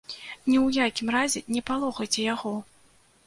Ні ў якім разе не палохайце яго!